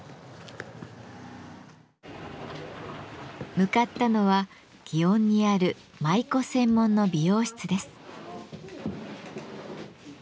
向かったのは園にある舞妓専門の美容室です。